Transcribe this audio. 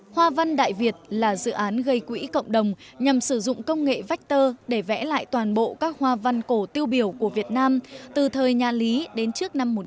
hoa văn đại việt là dự án gây quỹ cộng đồng nhằm sử dụng công nghệ vector để vẽ lại toàn bộ các hoa văn cổ tiêu biểu của việt nam từ thời nhà lý đến trước năm một nghìn chín trăm bảy mươi năm